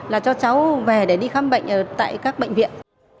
là cho cháu về để đi khám bệnh tại các bệnh viện